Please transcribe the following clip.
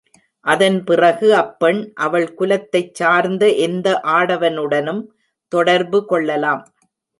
அதன் பிறகு அப்பெண் அவள் குலத்தைச் சார்ந்த எந்த ஆடவனுடனும் தொடர்பு கொள்ளலாம்.